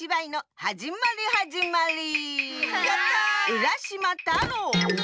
うらしまたろう。